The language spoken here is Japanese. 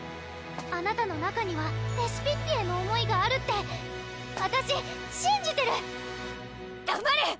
あなたの中にはレシピッピへの思いがあるってあたししんじてるだまれ！